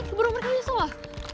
keburu buru kayu soal